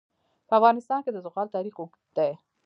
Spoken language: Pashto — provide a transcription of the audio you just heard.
په افغانستان کې د زغال تاریخ اوږد دی.